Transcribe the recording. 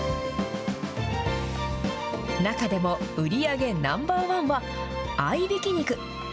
中でも売り上げナンバーワンは合いびき肉。